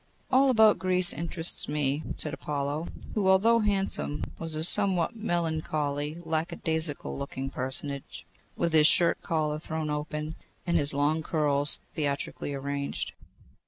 'All about Greece interests me,' said Apollo, who, although handsome, was a somewhat melancholy lack a daisical looking personage, with his shirt collar thrown open, and his long curls theatrically arranged.